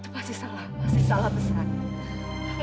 itu pasti salah pasti salah besar